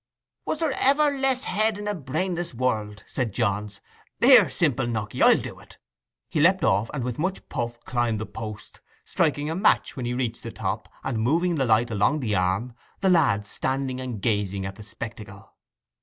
'Was there ever less head in a brainless world?' said Johns. 'Here, simple Nocky, I'll do it.' He leapt off, and with much puffing climbed the post, striking a match when he reached the top, and moving the light along the arm, the lad standing and gazing at the spectacle.